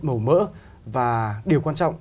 màu mỡ và điều quan trọng